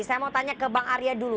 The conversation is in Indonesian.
saya mau tanya ke bang arya dulu